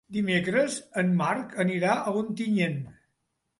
Dimecres en Marc anirà a Ontinyent.